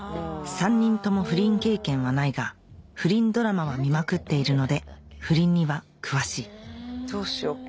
３人とも不倫経験はないが不倫ドラマは見まくっているので不倫には詳しいどうしよっか。